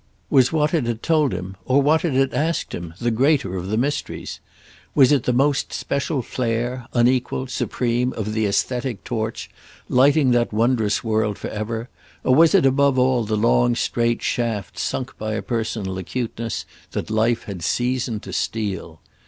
Was what it had told him or what it had asked him the greater of the mysteries? Was it the most special flare, unequalled, supreme, of the æsthetic torch, lighting that wondrous world for ever, or was it above all the long straight shaft sunk by a personal acuteness that life had seasoned to steel?